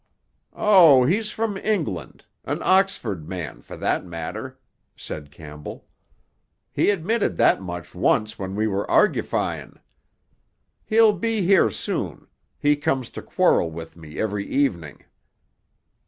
"Oh, he's from England—an Oxford man, for that matter," said Campbell. "He admitted that much once when we were argufying. He'll be here soon; he comes to quarrel with me every evening."